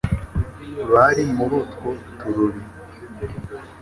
bari muri utwo tururi,